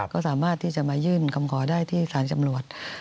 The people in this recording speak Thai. ก็สามารถที่จะมายื่นกำกล่อได้ที่สถานการณ์จำลวต